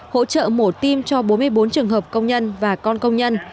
hỗ trợ mổ tim cho bốn mươi bốn trường hợp công nhân và con công nhân